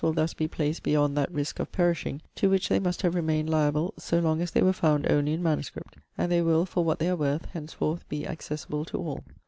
will thus be placed beyond that risk of perishing, to which they must have remained liable so long as they were found only in MS., and they will, for what they are worth, henceforth be accessible to all.